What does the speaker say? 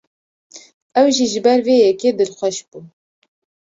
Ew jî ji ber vê yekê dilxweş bû.